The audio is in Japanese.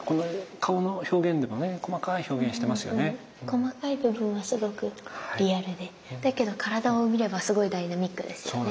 細かい部分はすごくリアルでだけど体を見ればすごいダイナミックですよね。